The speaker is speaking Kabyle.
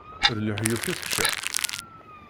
D lehyuf i teččiḍ?